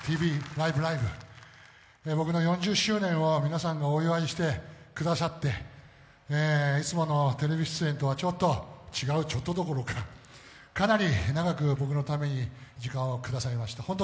ライブ！」、僕の４０周年を皆さんがお祝いしてくださって、いつものテレビ出演とはちょっと違う、ちょっとどころかかなり長く僕のために時間をくださりました。